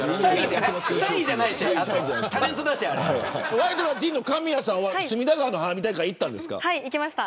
ワイドナティーンの神谷さんは隅田川の花火大会行きました。